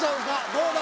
どうだ？